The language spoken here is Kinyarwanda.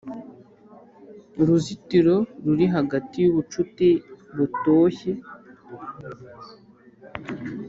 uruzitiro ruri hagati yubucuti butoshye.